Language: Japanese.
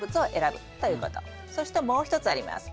そしてもう一つあります。